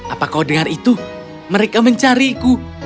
apa kau dengar itu mereka mencariku